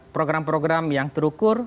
program program yang terukur